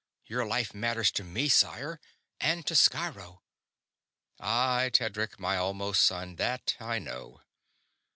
"Your life matters to me, sire and to Sciro!" "Aye, Tedric my almost son, that I know.